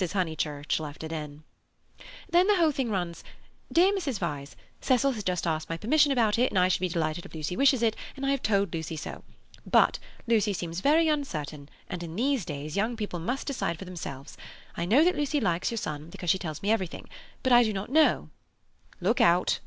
Honeychurch left it in. "Then the whole thing runs: 'Dear Mrs. Vyse.—Cecil has just asked my permission about it, and I should be delighted if Lucy wishes it, and I have told Lucy so. But Lucy seems very uncertain, and in these days young people must decide for themselves. I know that Lucy likes your son, because she tells me everything. But I do not know—'" "Look out!"